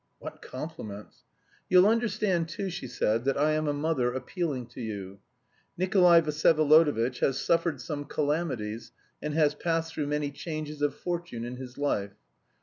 (What compliments!) 'You'll understand too,' she said, 'that I am a mother appealing to you.... Nikolay Vsyevolodovitch has suffered some calamities and has passed through many changes of fortune in his life.